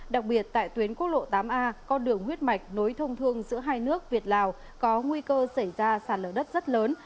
đặc biệt tại tuyến quốc lộ tám a con đường huyết mạch nối thông thương giữa hai nước việt lào có nguy cơ xả lở đất rất lớn